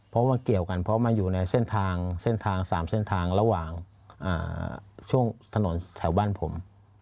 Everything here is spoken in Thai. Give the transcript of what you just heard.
เพราะว่าเกี่ยวกันเพราะมาอยู่ในเส้นทางเส้นทาง๓เส้นทางระหว่างช่วงถนนแถวบ้านผม